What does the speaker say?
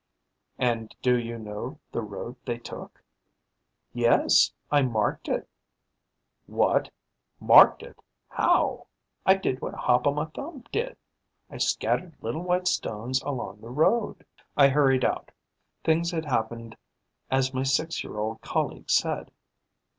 'And do you know the road they took?' 'Yes, I marked it.' 'What! Marked it? How?' 'I did what Hop o' my Thumb did: I scattered little white stones along the road.' I hurried out. Things had happened as my six year old colleague said.